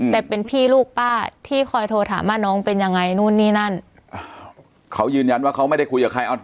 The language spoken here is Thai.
แต่เป็นพี่ลูกป้าที่คอยโทรถามว่าน้องเป็นยังไงนู่นนี่นั่นเขายืนยันว่าเขาไม่ได้คุยกับใคร